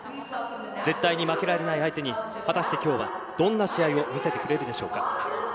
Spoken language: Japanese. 絶対に負けられない相手に果たして、今日はどんな試合を見せてくれるでしょうか。